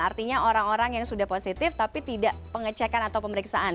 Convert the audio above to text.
artinya orang orang yang sudah positif tapi tidak pengecekan atau pemeriksaan